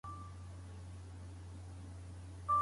که پلان یوازي په ذهن کي وي نو ژر هیر کیږي.